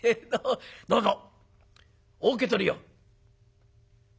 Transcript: どうぞお受け取りを」。